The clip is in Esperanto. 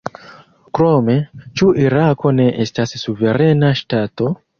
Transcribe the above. Krome: ĉu Irako ne estas suverena ŝtato?